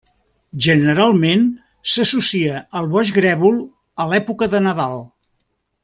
Generalment s'associa el boix grèvol a l'època de Nadal.